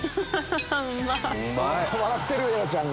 笑ってる、エラちゃんが。